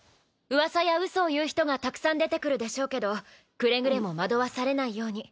噂やうそを言う人がたくさん出てくるでしょうけどくれぐれも惑わされないように。